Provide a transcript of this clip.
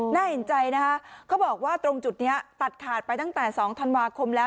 น่าเห็นใจนะคะเขาบอกว่าตรงจุดนี้ตัดขาดไปตั้งแต่๒ธันวาคมแล้ว